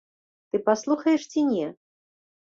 Ты паслухаеш ці не?